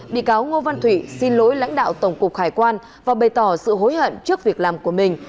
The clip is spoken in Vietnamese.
bị cáo ngô văn thủy xin lỗi lãnh đạo tổng cục hải quan và bày tỏ sự hối hận trước việc làm của mình